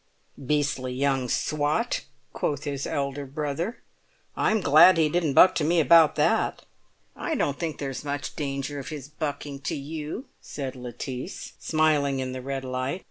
"Beastly young swot!" quoth his elder brother. "I'm glad he didn't buck to me about that." "I don't think there's much danger of his bucking to you," said Lettice, smiling in the red light.